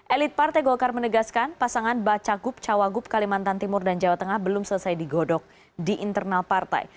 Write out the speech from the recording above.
elit partai golkar menegaskan pasangan bacagup cawagup kalimantan timur dan jawa tengah belum selesai digodok di internal partai